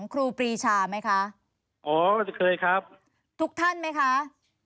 ครูปรีชาไหมคะอ๋อเคยครับทุกท่านไหมคะ